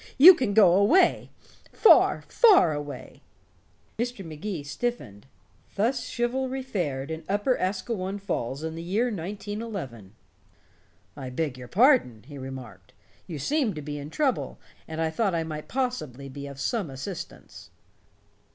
You can go away far, far away." Mr. Magee stiffened. Thus chivalry fared in Upper Asquewan Falls in the year 1911. "I beg your pardon," he remarked. "You seemed to be in trouble, and I thought I might possibly be of some assistance."